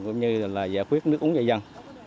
cũng như là giải quyết nước uống dạy dân